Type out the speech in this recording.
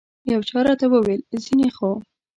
یو چا راته وویل ځینې خو.